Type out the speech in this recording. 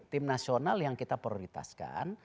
tim nasional yang kita prioritaskan